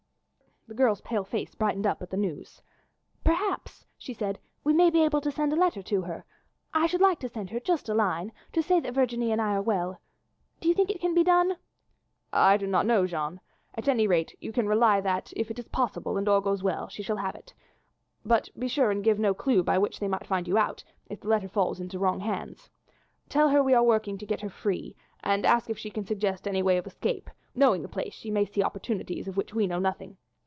The girl's pale face brightened up at the news. "Perhaps," she said, "we may be able to send a letter to her. I should like to send her just a line to say that Virginie and I are well. Do you think it can be done?" "I do not know, Jeanne. At any rate you can rely that, if it is possible and all goes well, she shall have it; but be sure and give no clue by which they might find you out, if the letter falls into wrong hands. Tell her we are working to get her free, and ask if she can suggest any way of escape; knowing the place she may see opportunities of which we know nothing.